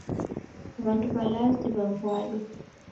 W'andu w'alazi w'aw'adwa.